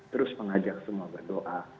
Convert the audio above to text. terus mengajak semua berdoa